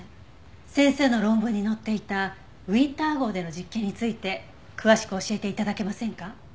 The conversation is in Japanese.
先生の論文に載っていたウィンター号での実験について詳しく教えて頂けませんか？